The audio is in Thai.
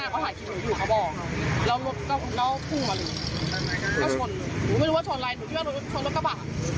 ง่ายหนูไม่รู้ว่าได้ชนอะไรแต่ชนรถกระบะ